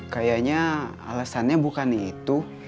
kayanya alasannya bukan itu